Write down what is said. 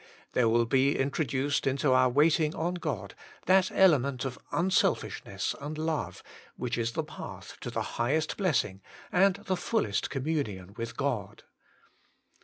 There will be introduced into our waiting on God that element of unselfishness and love, which is the path to the highest blessing, and the fullest communion with God.